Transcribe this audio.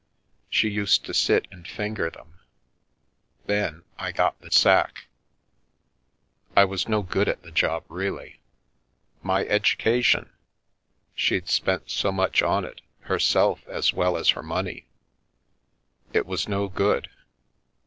She used to sit and finger them. Then — I got the sack. I was no good at the job, really. My education ! She'd spent so much on it, herself as well as her money. It was no good.